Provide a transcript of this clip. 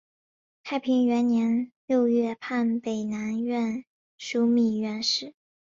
太平元年六月判北南院枢密院事。